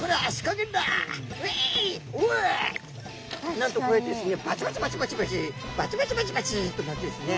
なんとこうやってですねバチバチバチバチバチバチバチバチバチっとなってですね